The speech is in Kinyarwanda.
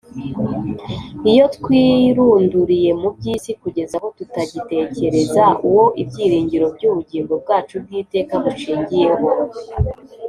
,. Iyo twirunduriye mu by’isi kugeza aho tutagitekereza Uwo ibyiringiro by’ubugingo bwacu bw’iteka bushingiyeho,